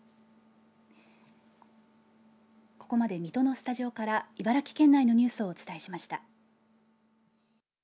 ここまで水戸のスタジオから茨城県内のニュースをお伝えしました。